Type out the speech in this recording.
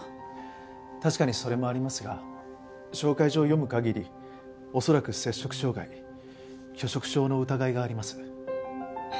確かにそれもありますが紹介状を読む限り恐らく摂食障害拒食症の疑いがありますね。